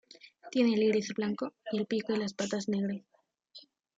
Tiene el iris blanco y el pico y las patas negras.